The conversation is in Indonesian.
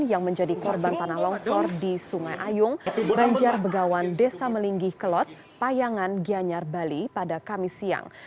yang menjadi korban tanah longsor di sungai ayung banjar begawan desa melinggih kelot payangan gianyar bali pada kamis siang